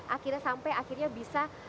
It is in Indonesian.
akhirnya sampai akhirnya bisa